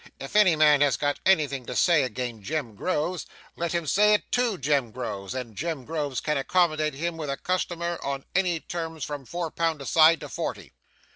If any man has got anything to say again Jem Groves, let him say it TO Jem Groves, and Jem Groves can accommodate him with a customer on any terms from four pound a side to forty.